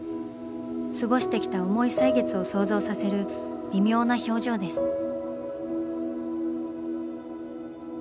過ごしてきた重い歳月を想像させる微妙な表情です。